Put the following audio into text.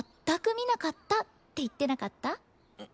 全く見なかったって言ってなかった？